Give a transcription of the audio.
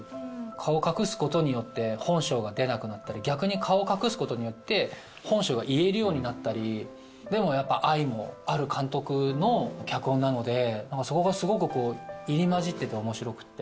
顔を隠すことによって本性が出なくなったり、逆に顔を隠すことによって、本性が言えるようになったり、でもやっぱ愛もある監督の脚本なので、そこがすごく入りまじってておもしろくって。